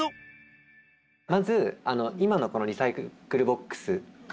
まず今のリサイクルボックス